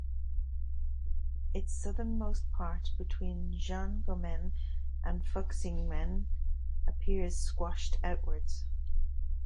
Its southernmost part between Jianguomen and Fuxingmen appears "squashed" outwards.